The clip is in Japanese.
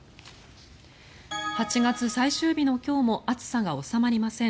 ８月最終日の今日も暑さが収まりません。